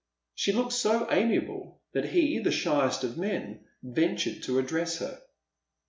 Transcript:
She looked so amiable that he, the ehyest of men, ventured to address her.